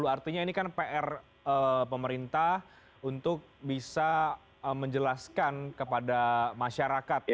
artinya ini kan pr pemerintah untuk bisa menjelaskan kepada masyarakat